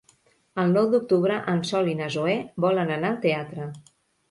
El nou d'octubre en Sol i na Zoè volen anar al teatre.